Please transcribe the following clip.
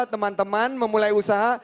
teman teman memulai usaha